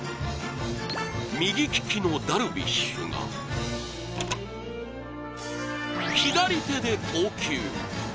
右利きのダルビッシュが左手で投球。